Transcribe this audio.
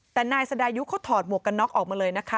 แต่นายสดายุเขาถอดหมวกกันน็อกออกมาเลยนะคะ